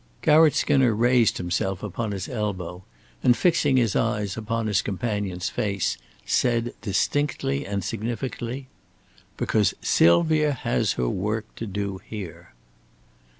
Garratt Skinner raised himself upon his elbow, and fixing his eyes upon his companion's face, said distinctly and significantly: "Because Sylvia has her work to do here."